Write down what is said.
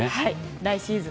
来シーズン